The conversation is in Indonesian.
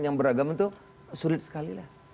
yang beragam itu sulit sekali lah